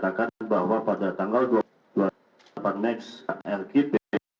terdapat bahwa pada tanggal dua puluh delapan meks lkp